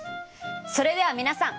それでは皆さん